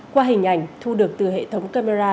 qua hình ảnh thu được từ hệ thống camera